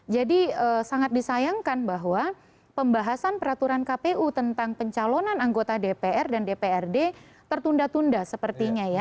jadi sangat disayangkan bahwa pembahasan peraturan kpu tentang pencalonan anggota dpr dan dprd tertunda tunda sepertinya ya